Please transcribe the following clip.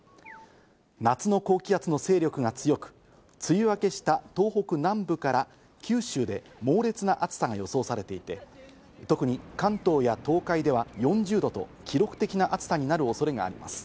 夏の高気圧の勢力が強く、梅雨明けした東北南部から九州で猛烈な暑さが予想されていて、特に関東や東海では４０度と記録的な暑さになる恐れがあります。